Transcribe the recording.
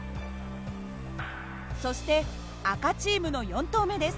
そして赤チームの４投目です。